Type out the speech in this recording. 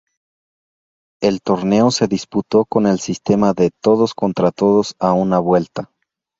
El torneo se disputó con el sistema de todos contra todos a una vuelta.